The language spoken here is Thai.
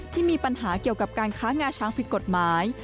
ที่มีปัญหาเกี่ยวกับการค้างาช้างผิดกฎหมาย